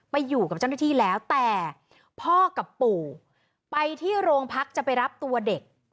ไปอยู่กับเจ้าหน้าที่แล้วแต่พ่อกับปู่ไปที่โรงพักจะไปรับตัวเด็ก